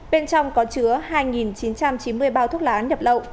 bên trong có chứa hai chín trăm chín mươi bao thuốc lá nhập lậu